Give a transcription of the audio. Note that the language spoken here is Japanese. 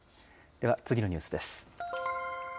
では次のニュースです。